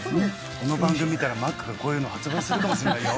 この番組見たらマックがこういうの発売するかもしれないよ。